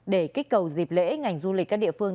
để kích cầu dịp lễ ngành du lịch các địa phương